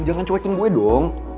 jangan cuekin gue dong